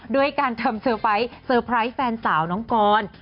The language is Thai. ด้วยการทำเซอร์ไพรส์แฟนสาวน้องกร